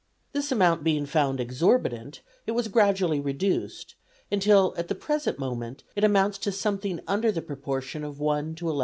This amount being found exorbitant, it was gradually reduced, until at the present moment it amounts to something under the proportion of 1 to 11 1/2.